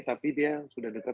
tapi dia sudah dekat